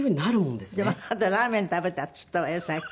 でもあなたラーメン食べたって言ったわよさっき。